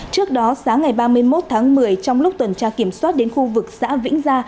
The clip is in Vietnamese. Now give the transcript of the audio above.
trước đó sáng ngày ba mươi một tháng một mươi trong lúc tuần tra kiểm soát đến khu vực xã vĩnh gia